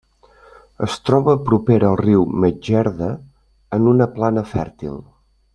Es troba propera al riu Medjerda en una plana fèrtil.